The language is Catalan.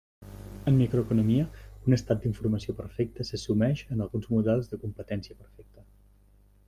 En microeconomia, un estat d'informació perfecta s'assumeix en alguns models de competència perfecta.